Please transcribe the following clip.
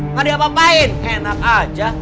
nggak diapa apain enak aja